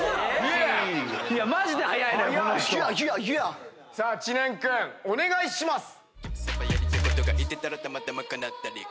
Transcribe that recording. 嘘だろ⁉さあ知念君お願いします。